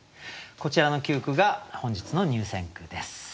こちらの９句が本日の入選句です。